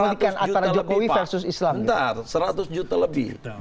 bentar seratus juta lebih